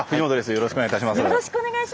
よろしくお願いします。